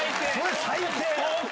最低！